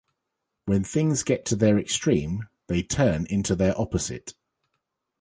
When things get to their extreme, they turn into their opposite.